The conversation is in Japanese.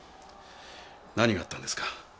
何があったんですか？